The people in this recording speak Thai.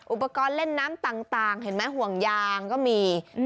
อุปกรณ์เล่นน้ำต่างเห็นไหมห่วงยางก็มี